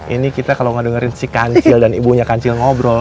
ini kita kalo gak dengerin si kancil dan ibunya kancil ngobrol